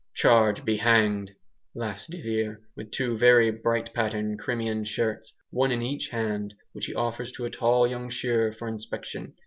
"Charge be hanged!" laughs de Vere, with two very bright patterned Crimean shirts, one in each hand, which he offers to a tall young shearer for inspection.